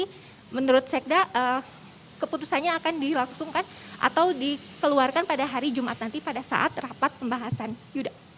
jadi menurut sekda keputusannya akan dilaksunkan atau dikeluarkan pada hari jumat nanti pada saat rapat pembahasan yudha